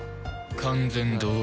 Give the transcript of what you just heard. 完全同意